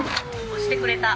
◆押してくれた。